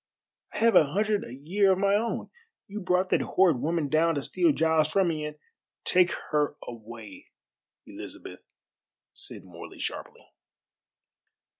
I have a hundred a year of my own. You brought that horrid woman down to steal Giles from me, and " "Take her away, Elizabeth," said Morley sharply.